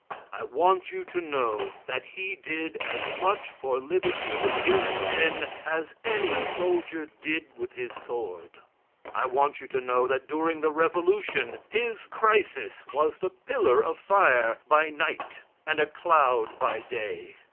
I want you to know that he did as much for liberty with his pen as any soldier did with his sword. I want you to know that during the Revolution his "Crisis" was the pillar of fire by night and a cloud by day.